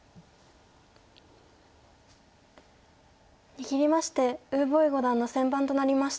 握りまして呉柏毅五段の先番となりました。